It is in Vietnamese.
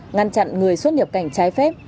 ngăn chặn người xuất hiệp cảnh trái phép